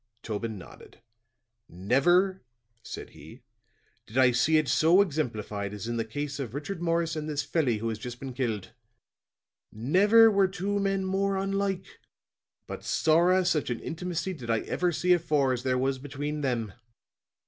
Tobin nodded. "Never," said he, "did I see it so exemplified as in the case of Richard Morris and this felly who has just been killed. Never were two men more unlike; but sorra such an intimacy did I ever see afore, as there was between them.